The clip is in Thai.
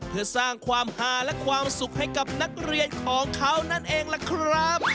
เพื่อสร้างความฮาและความสุขให้กับนักเรียนของเขานั่นเองล่ะครับ